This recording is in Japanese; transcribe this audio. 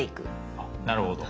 あなるほど。